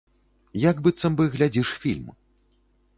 Як быццам бы глядзіш фільм.